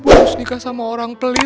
bu harus nikah sama orang pelit